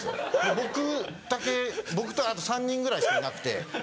僕だけ僕とあと３人ぐらいしかいなくて。